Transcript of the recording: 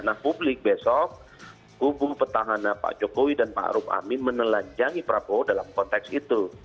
nah publik besok hubung petahana pak jokowi dan ⁇ maruf ⁇ amin menelanjangi prabowo dalam konteks itu